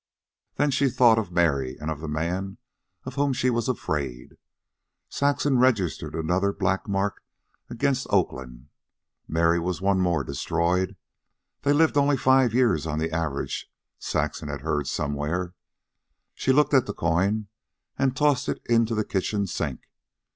Then she thought of Mary, and of the man of whom she was afraid. Saxon registered another black mark against Oakland. Mary was one more destroyed. They lived only five years, on the average, Saxon had heard somewhere. She looked at the coin and tossed it into the kitchen sink.